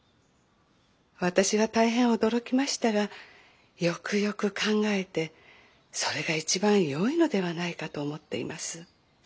私は大変驚きましたがよくよく考えてそれが一番よいのではないかと思っています。